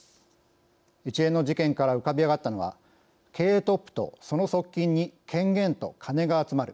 一連の事件から浮かび上がったのは経営トップとその側近に権限と金が集まる